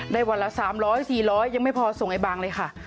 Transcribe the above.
วันละ๓๐๐๔๐๐ยังไม่พอส่งไอ้บางเลยค่ะ